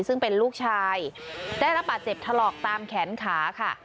ซึ่งเป็นลูกชายได้รับบาดเจ็บถลอกตามแขนขาค่ะ